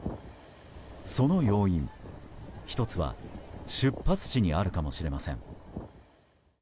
その要因、１つは出発地にあるかもしれません。